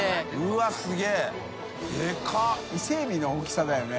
任ぁ伊勢エビの大きさだよね。